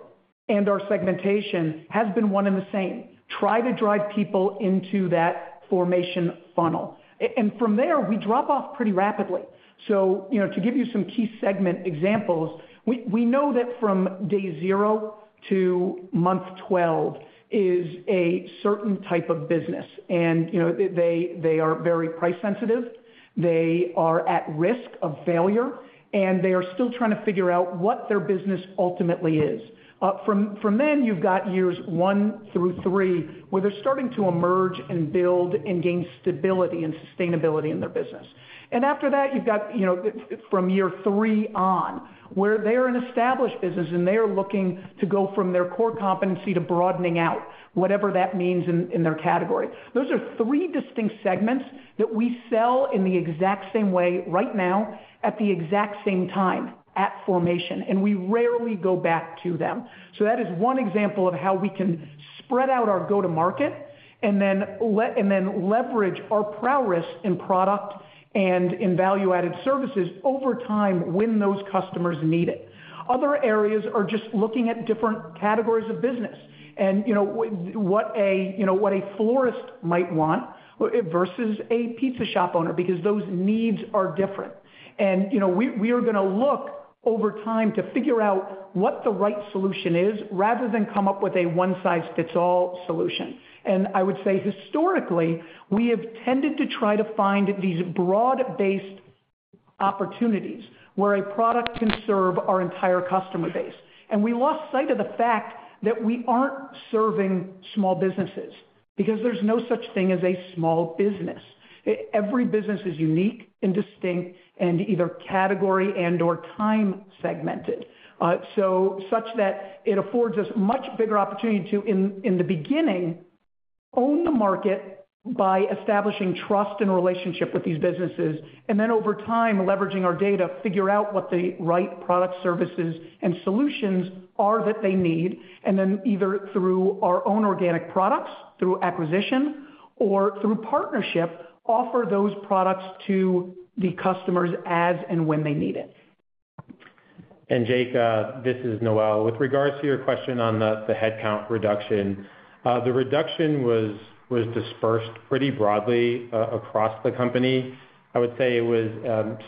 and our segmentation has been one and the same: try to drive people into that formation funnel. And from there, we drop off pretty rapidly. So, you know, to give you some key segment examples, we know that from day zero to month 12 is a certain type of business. You know, they, they are very price sensitive, they are at risk of failure, and they are still trying to figure out what their business ultimately is. From then, you've got years one through three, where they're starting to emerge and build and gain stability and sustainability in their business. And after that, you've got, you know, from year three on, where they're an established business, and they are looking to go from their core competency to broadening out, whatever that means in their category. Those are three distinct segments that we sell in the exact same way right now, at the exact same time, at formation, and we rarely go back to them. So that is one example of how we can spread out our go-to-market, and then leverage our prowess in product and in value-added services over time when those customers need it. Other areas are just looking at different categories of business, and, you know, what a, you know, what a florist might want versus a pizza shop owner, because those needs are different. And, you know, we are gonna look over time to figure out what the right solution is, rather than come up with a one-size-fits-all solution. And I would say, historically, we have tended to try to find these broad-based opportunities, where a product can serve our entire customer base. And we lost sight of the fact that we aren't serving small businesses, because there's no such thing as a small business. Every business is unique and distinct and either category and/or time segmented. So such that it affords us much bigger opportunity to, in, in the beginning, own the market by establishing trust and relationship with these businesses, and then over time, leveraging our data, figure out what the right product, services, and solutions are that they need, and then either through our own organic products, through acquisition, or through partnership, offer those products to the customers as and when they need it. And Jake, this is Noel. With regards to your question on the headcount reduction, the reduction was dispersed pretty broadly across the company. I would say it was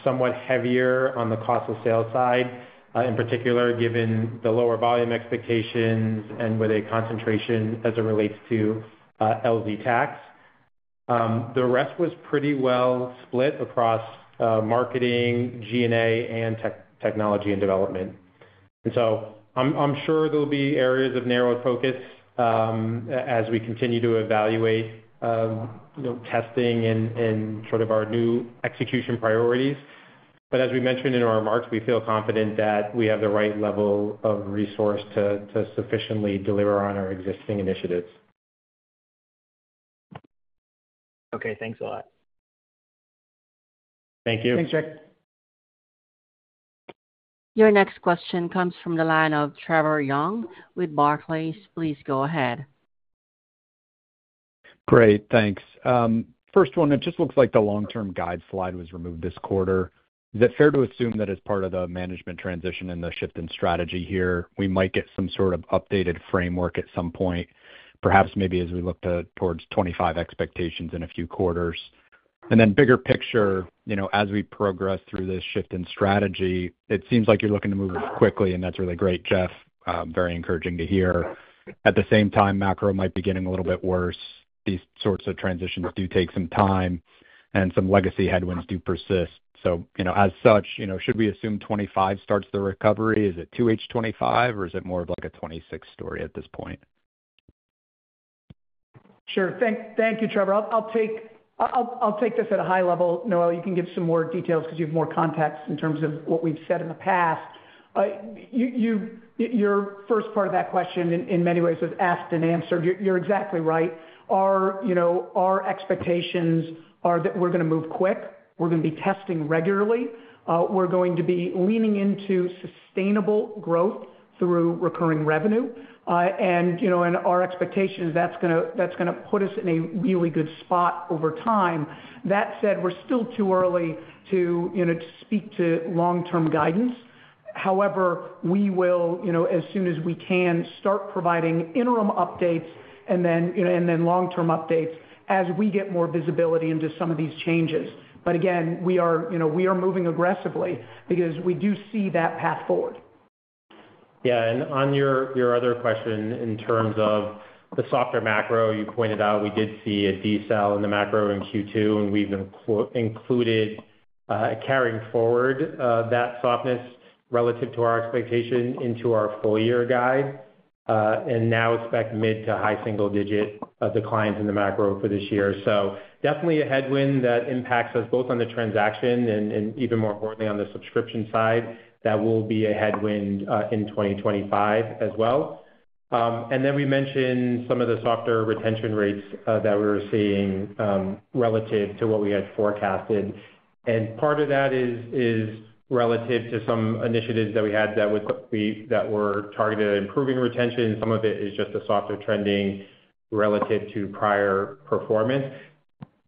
somewhat heavier on the cost of sales side, in particular, given the lower volume expectations and with a concentration as it relates to LZ Tax. The rest was pretty well split across marketing, G&A, and technology and development. And so I'm sure there'll be areas of narrowed focus as we continue to evaluate, you know, testing and sort of our new execution priorities. But as we mentioned in our remarks, we feel confident that we have the right level of resource to sufficiently deliver on our existing initiatives. Okay, thanks a lot. Thank you. Thanks, Jake. Your next question comes from the line of Trevor Young with Barclays. Please go ahead. Great, thanks. First one, it just looks like the long-term guide slide was removed this quarter. Is it fair to assume that as part of the management transition and the shift in strategy here, we might get some sort of updated framework at some point, perhaps maybe as we look towards 2025 expectations in a few quarters? And then bigger picture, you know, as we progress through this shift in strategy, it seems like you're looking to move quickly, and that's really great, Jeff, very encouraging to hear. At the same time, macro might be getting a little bit worse. These sorts of transitions do take some time, and some legacy headwinds do persist. So, you know, as such, you know, should we assume 2025 starts the recovery? Is it 2H 2025, or is it more of like a 2026 story at this point? Sure. Thank you, Trevor. I'll take this at a high level. Noel, you can give some more details because you have more context in terms of what we've said in the past. Your first part of that question, in many ways, was asked and answered. You're exactly right. Our, you know, our expectations are that we're gonna move quick, we're gonna be testing regularly, we're going to be leaning into sustainable growth through recurring revenue. And, you know, our expectation is that's gonna- that's gonna put us in a really good spot over time. That said, we're still too early to, you know, to speak to long-term guidance. However, we will, you know, as soon as we can, start providing interim updates and then, you know, and then long-term updates as we get more visibility into some of these changes. But again, we are, you know, we are moving aggressively because we do see that path forward. Yeah, and on your other question, in terms of the softer macro, you pointed out we did see a decel in the macro in Q2, and we've included carrying forward that softness relative to our expectation into our full year guide, and now expect mid- to high-single-digit decline in the macro for this year. So definitely a headwind that impacts us both on the transaction and even more importantly on the subscription side, that will be a headwind in 2025 as well. And then we mentioned some of the softer retention rates that we were seeing relative to what we had forecasted. And part of that is relative to some initiatives that we had that were targeted at improving retention. Some of it is just the softer trending relative to prior performance,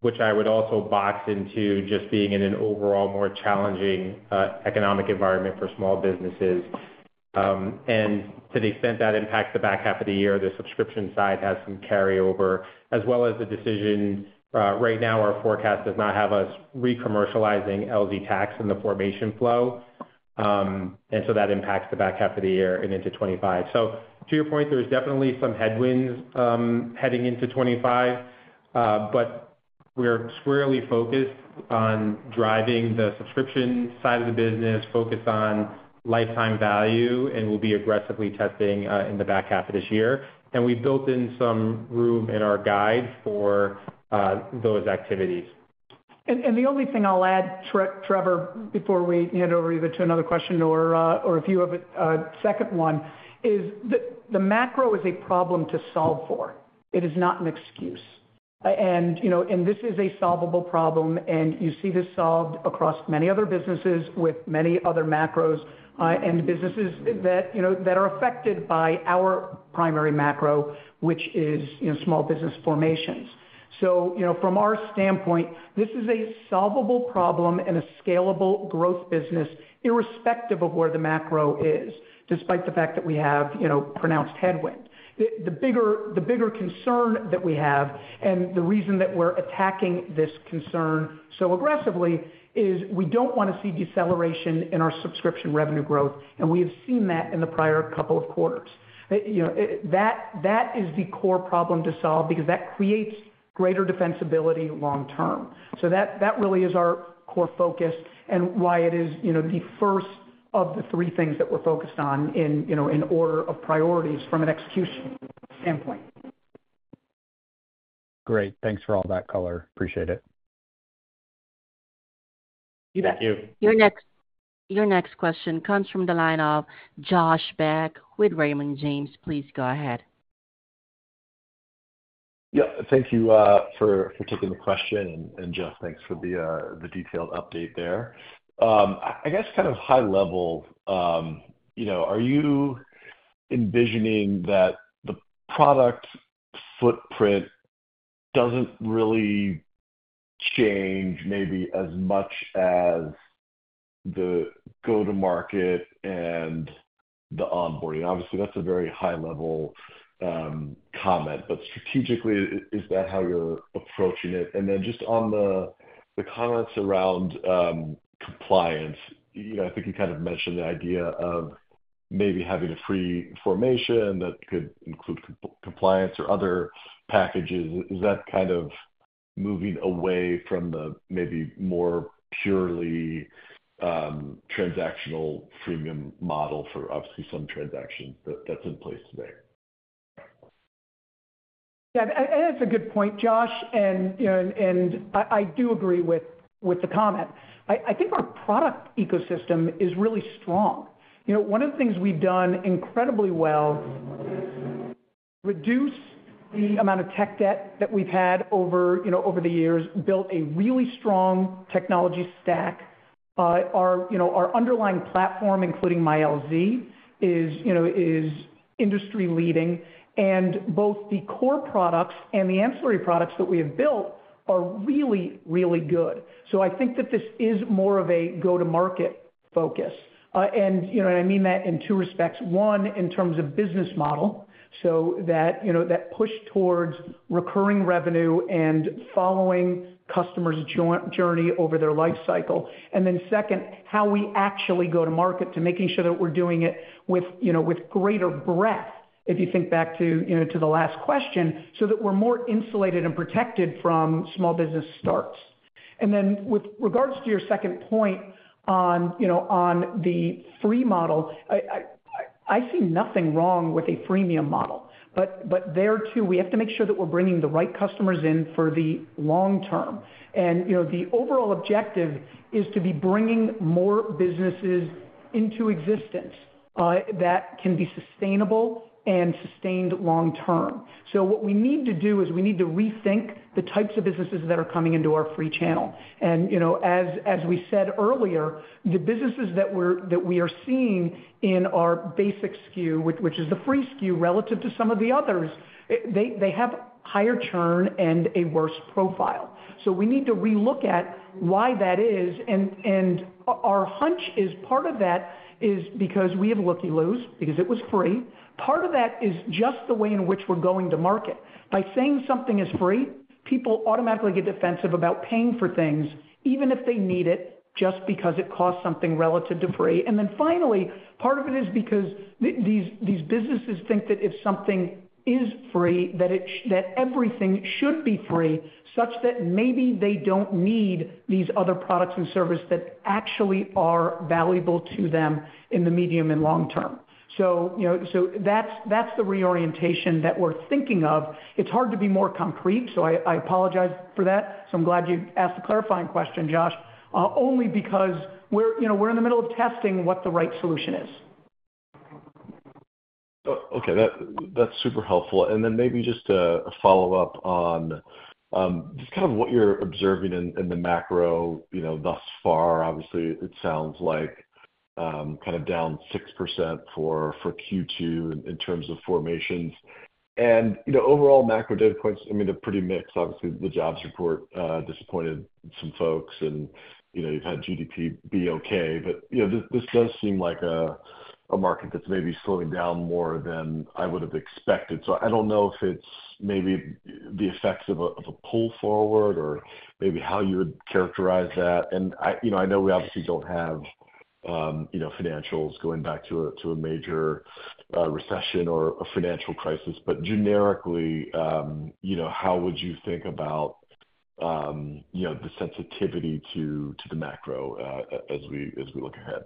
which I would also box into just being in an overall more challenging economic environment for small businesses. And to the extent that impacts the back half of the year, the subscription side has some carryover, as well as the decision right now, our forecast does not have us re-commercializing LZTax in the formation flow. And so that impacts the back half of the year and into 2025. So to your point, there's definitely some headwinds heading into 2025, but we're squarely focused on driving the subscription side of the business, focused on lifetime value, and we'll be aggressively testing in the back half of this year. And we've built in some room in our guide for those activities. And the only thing I'll add, Trevor, before we hand over either to another question or if you have a second one, is the macro is a problem to solve for. It is not an excuse. And, you know, and this is a solvable problem, and you see this solved across many other businesses with many other macros, and businesses that, you know, that are affected by our primary macro, which is, you know, small business formations. So, you know, from our standpoint, this is a solvable problem and a scalable growth business, irrespective of where the macro is, despite the fact that we have, you know, pronounced headwind. The bigger concern that we have, and the reason that we're attacking this concern so aggressively, is we don't want to see deceleration in our subscription revenue growth, and we have seen that in the prior couple of quarters. You know, that is the core problem to solve because that creates greater defensibility long term. So that really is our core focus and why it is, you know, the first of the three things that we're focused on in, you know, in order of priorities from an execution standpoint. Great. Thanks for all that color. Appreciate it. Thank you. You bet. Your next question comes from the line of Josh Beck with Raymond James. Please go ahead. Yeah, thank you for taking the question, and Jeff, thanks for the detailed update there. I guess, kind of high level, you know, are you envisioning that the product footprint doesn't really change maybe as much as the go-to-market and the onboarding? Obviously, that's a very high-level comment, but strategically, is that how you're approaching it? And then just on the comments around compliance, you know, I think you kind of mentioned the idea of maybe having a free formation that could include compliance or other packages. Is that kind of moving away from the maybe more purely transactional freemium model for obviously some transactions that's in place today? Yeah, and that's a good point, Josh, and, you know, I do agree with the comment. I think our product ecosystem is really strong. You know, one of the things we've done incredibly well, reduce the amount of tech debt that we've had over the years, built a really strong technology stack. Our underlying platform, including MyLZ, is industry-leading, and both the core products and the ancillary products that we have built are really, really good. So I think that this is more of a go-to-market focus. And, you know, I mean that in two respects. One, in terms of business model, so that push towards recurring revenue and following customers' journey over their life cycle. And then second, how we actually go to market to making sure that we're doing it with, you know, with greater breadth, if you think back to, you know, to the last question, so that we're more insulated and protected from small business starts. And then with regards to your second point on, you know, on the free model, I see nothing wrong with a freemium model, but there, too, we have to make sure that we're bringing the right customers in for the long term. And, you know, the overall objective is to be bringing more businesses into existence that can be sustainable and sustained long term. So what we need to do is we need to rethink the types of businesses that are coming into our free channel. You know, as we said earlier, the businesses that we are seeing in our basic SKU, which is the free SKU, relative to some of the others, they have higher churn and a worse profile. So we need to relook at why that is, and our hunch is part of that is because we have looky-loos, because it was free. Part of that is just the way in which we're going to market. By saying something is free, people automatically get defensive about paying for things, even if they need it, just because it costs something relative to free. And then finally, part of it is because these, these businesses think that if something is free, that everything should be free, such that maybe they don't need these other products and services that actually are valuable to them in the medium and long term. So, you know, so that's, that's the reorientation that we're thinking of. It's hard to be more concrete, so I, I apologize for that. So I'm glad you asked a clarifying question, Josh, only because we're, you know, we're in the middle of testing what the right solution is. Okay, that's super helpful. And then maybe just a follow-up on just kind of what you're observing in the macro, you know, thus far. Obviously, it sounds like kind of down 6% for Q2 in terms of formations. And, you know, overall macro data points, I mean, they're pretty mixed. Obviously, the jobs report disappointed some folks, and, you know, you've had GDP be okay. But, you know, this does seem like a market that's maybe slowing down more than I would have expected. So I don't know if it's maybe the effects of a pull forward or maybe how you would characterize that. And I, you know, I know we obviously don't have, you know, financials going back to a major recession or a financial crisis. But generically, you know, how would you think about, you know, the sensitivity to the macro, as we look ahead?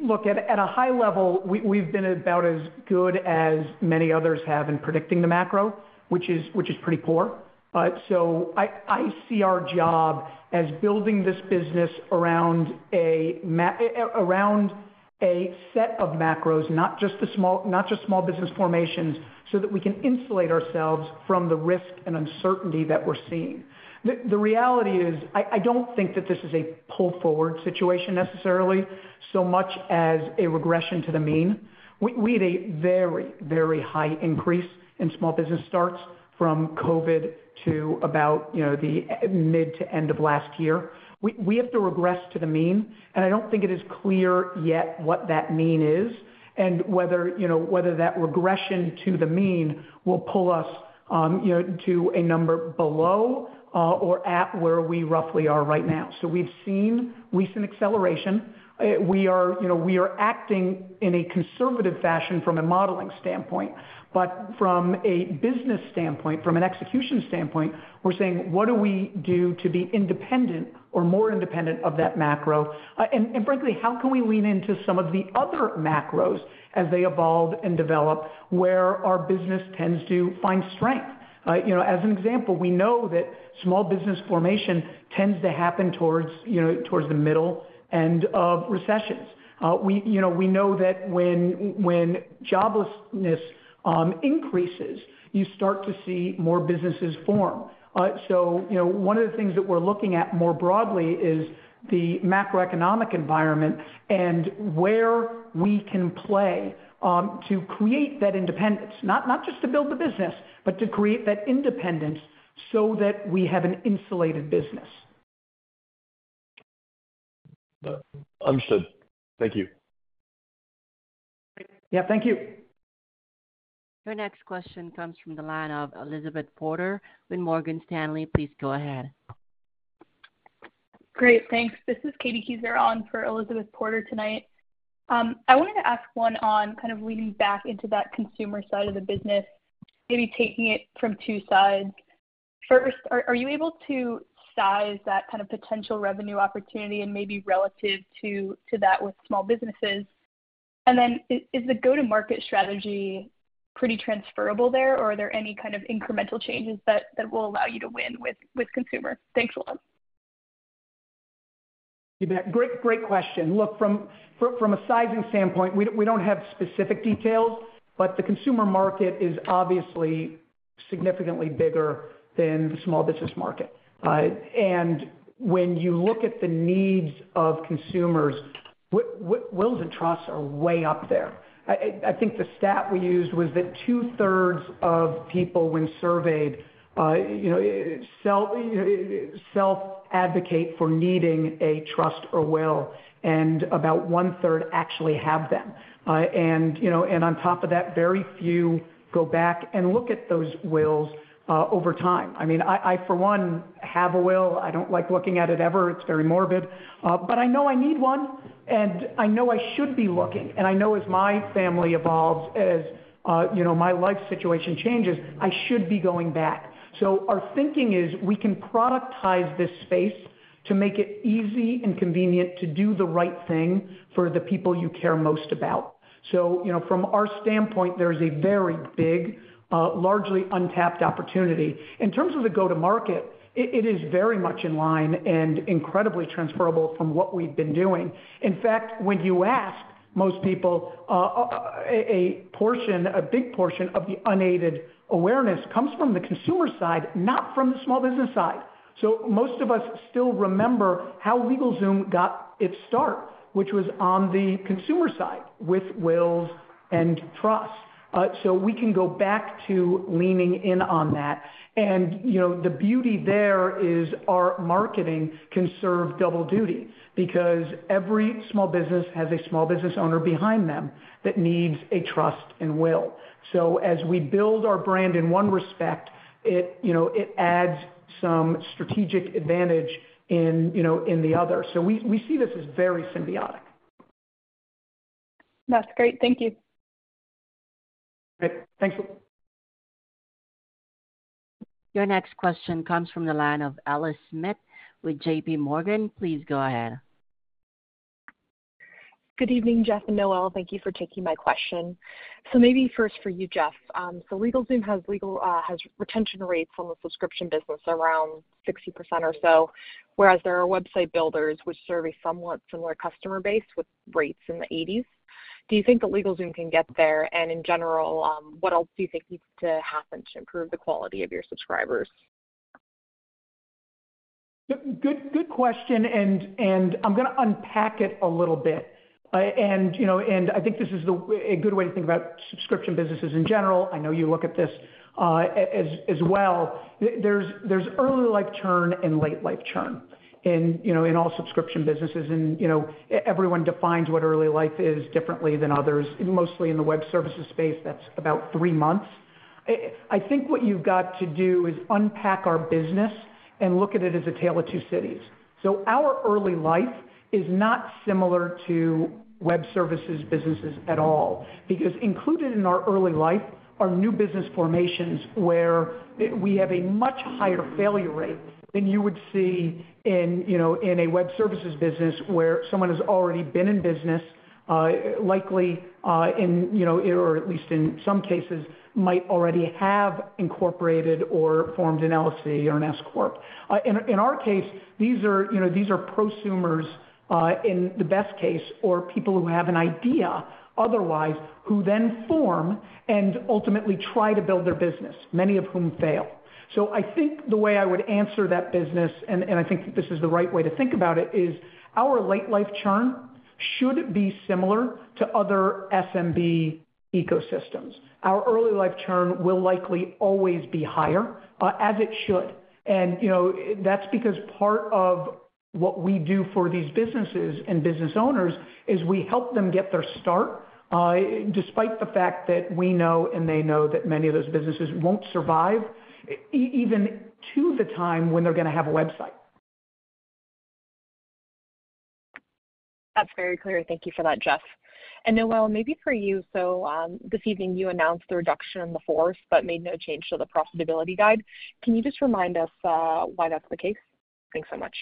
Look, at a high level, we've been about as good as many others have in predicting the macro, which is pretty poor. But I see our job as building this business around a set of macros, not just small business formations, so that we can insulate ourselves from the risk and uncertainty that we're seeing. The reality is, I don't think that this is a pull forward situation necessarily, so much as a regression to the mean. We had a very, very high increase in small business starts from COVID to about, you know, the mid to end of last year. We have to regress to the mean, and I don't think it is clear yet what that mean is, and whether, you know, whether that regression to the mean will pull us, you know, to a number below, or at where we roughly are right now. So we've seen recent acceleration. We are, you know, we are acting in a conservative fashion from a modeling standpoint, but from a business standpoint, from an execution standpoint, we're saying: What do we do to be independent or more independent of that macro? And frankly, how can we lean into some of the other macros as they evolve and develop, where our business tends to find strength? You know, as an example, we know that small business formation tends to happen towards, you know, towards the middle end of recessions. We know that when joblessness increases, you start to see more businesses form. So you know, one of the things that we're looking at more broadly is the macroeconomic environment and where we can play to create that independence, not just to build the business, but to create that independence so that we have an insulated business. Understood. Thank you. Yeah, thank you. Your next question comes from the line of Elizabeth Porter with Morgan Stanley. Please go ahead. Great, thanks. This is Katie Keiser on for Elizabeth Porter tonight. I wanted to ask one on kind of leaning back into that consumer side of the business, maybe taking it from two sides. First, are you able to size that kind of potential revenue opportunity and maybe relative to that with small businesses? And then is the go-to-market strategy pretty transferable there, or are there any kind of incremental changes that will allow you to win with consumer? Thanks a lot. Yeah, great, great question. Look, from a sizing standpoint, we don't have specific details, but the consumer market is obviously significantly bigger than the small business market. And when you look at the needs of consumers, wills and trusts are way up there. I think the stat we used was that two-thirds of people, when surveyed, you know, self-advocate for needing a trust or will, and about one-third actually have them. And, you know, and on top of that, very few go back and look at those wills over time. I mean, I for one, have a will. I don't like looking at it ever. It's very morbid. But I know I need one, and I know I should be looking, and I know as my family evolves, as you know, my life situation changes, I should be going back. So our thinking is, we can productize this space to make it easy and convenient to do the right thing for the people you care most about. So, you know, from our standpoint, there's a very big, largely untapped opportunity. In terms of the go-to-market, it is very much in line and incredibly transferable from what we've been doing. In fact, when you ask most people, a big portion of the unaided awareness comes from the consumer side, not from the small business side. So most of us still remember how LegalZoom got its start, which was on the consumer side, with wills, and trust. So we can go back to leaning in on that. You know, the beauty there is our marketing can serve double duty, because every small business has a small business owner behind them that needs a trust and will. So as we build our brand in one respect, it, you know, it adds some strategic advantage in, you know, in the other. So we see this as very symbiotic. That's great. Thank you. Great. Thanks. Your next question comes from the line of Alexei Gogolev with JPMorgan. Please go ahead. Good evening, Jeff and Noel. Thank you for taking my question. So maybe first for you, Jeff. LegalZoom has retention rates on the subscription business around 60% or so, whereas there are website builders which serve a somewhat similar customer base with rates in the 80s. Do you think that LegalZoom can get there? In general, what else do you think needs to happen to improve the quality of your subscribers? Good question, and I'm going to unpack it a little bit. You know, I think this is a good way to think about subscription businesses in general. I know you look at this as well. There's early life churn and late life churn in all subscription businesses. You know, everyone defines what early life is differently than others. Mostly in the web services space, that's about three months. I think what you've got to do is unpack our business and look at it as a tale of two cities. So our early life is not similar to web services businesses at all, because included in our early life are new business formations, where we have a much higher failure rate than you would see in, you know, in a web services business, where someone has already been in business, likely, in, you know, or at least in some cases, might already have incorporated or formed an LLC or an S corp. In our case, these are, you know, these are prosumers, in the best case, or people who have an idea otherwise, who then form and ultimately try to build their business, many of whom fail. So I think the way I would answer that business, and I think this is the right way to think about it, is our late life churn should be similar to other SMB ecosystems. Our early life churn will likely always be higher, as it should. And, you know, that's because part of what we do for these businesses and business owners is we help them get their start, despite the fact that we know, and they know, that many of those businesses won't survive, even to the time when they're going to have a website. That's very clear. Thank you for that, Jeff. And Noel, maybe for you. So, this evening you announced the reduction in the force, but made no change to the profitability guide. Can you just remind us, why that's the case? Thanks so much.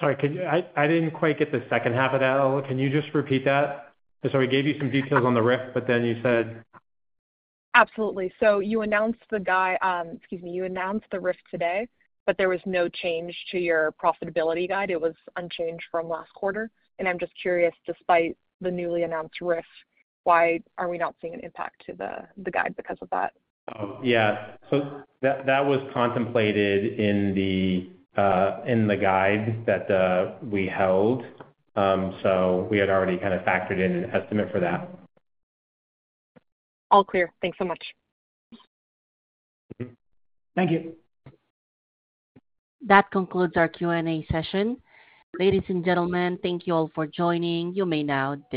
Sorry, could you I didn't quite get the second half of that, Alex. Can you just repeat that? So we gave you some details on the RIF, but then you said? Absolutely. So you announced the guide, excuse me, you announced the RIF today, but there was no change to your profitability guide. It was unchanged from last quarter. And I'm just curious, despite the newly announced RIF, why are we not seeing an impact to the guide because of that? Oh, yeah. So that, that was contemplated in the, in the guide that, we held. So we had already kind of factored in an estimate for that. All clear. Thanks so much. Mm-hmm. Thank you. That concludes our Q&A session. Ladies and gentlemen, thank you all for joining. You may now disconnect.